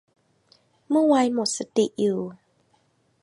เมื่อไวน์หมดสติอยู่